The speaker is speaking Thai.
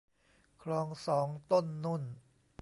คลองสองต้นนุ่น